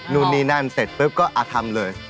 นู่นนี่นั่นเสร็จปุ๊บก็ทำเลย